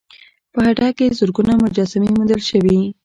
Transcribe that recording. په هډه کې زرګونه مجسمې موندل شوي